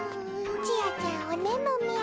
ちあちゃんおねむみゃ。